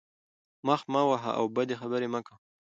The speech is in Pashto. مخ مه وهه او بدې خبرې مه کوه.